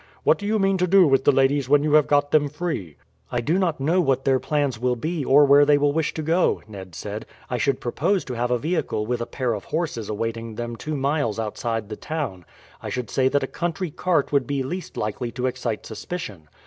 What do you mean to do with the ladies when you have got them free?" "I do not know what their plans will be, or where they will wish to go," Ned said. "I should propose to have a vehicle with a pair of horses awaiting them two miles outside the town. I should say that a country cart would be least likely to excite suspicion.